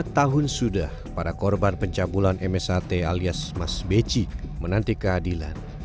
empat tahun sudah para korban pencabulan msat alias mas beci menanti keadilan